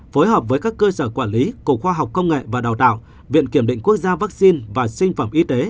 phối hợp với các cơ sở quản lý của khoa học công nghệ và đào tạo viện kiểm định quốc gia vaccine và sinh phẩm y tế